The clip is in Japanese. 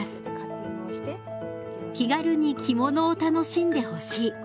気軽に着物を楽しんでほしい。